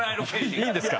いいんですか？